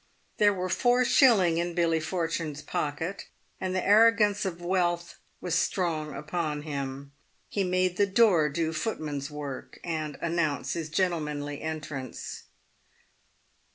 There were four shillings in Billy Fortune's pocket, and the arro gance of wealth was strong upon him. He made the door do foot man's work, and announce his gentlemanly entrance.